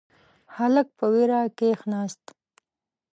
هلک په وېره کښیناست.